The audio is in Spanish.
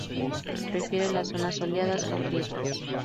Prefiere las zonas soleadas con grietas.